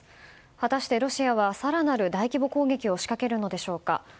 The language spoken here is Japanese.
果たしてロシアは更なる大規模攻撃を仕掛けるのでしょうか。